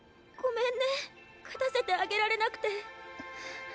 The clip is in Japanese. ごめんね勝たせてあげられなくて。